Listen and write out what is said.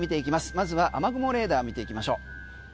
まずは雨雲レーダー見ていきましょう。